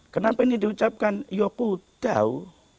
kenapa ini diucapkan yokudau